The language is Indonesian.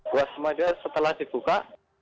buat semua dia setelah dibuka